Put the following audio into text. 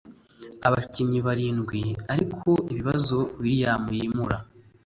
abakinnyi barindwi ariko ibibazo Willian yimura